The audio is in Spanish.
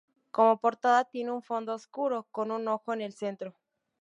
Como portada tiene un fondo oscuro con un ojo en el centro.